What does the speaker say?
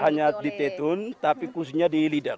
hanya di tetun tapi khususnya di lidak